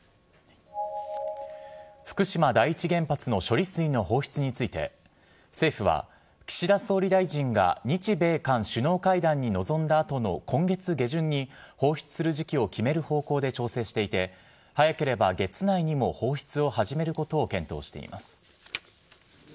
福島第一原発の処理水の放出について、政府は、岸田総理大臣が日米韓首脳会談に臨んだあとの今月下旬に、放出する時期を決める方向で調整していて、早ければ月内にも放出を始めることを検討しています。